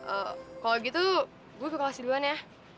eh kalau gitu gue ke kelas duluan ya